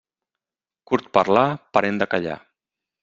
Curt parlar, parent de callar.